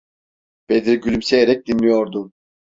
Bedri gülümseyerek dinliyordu.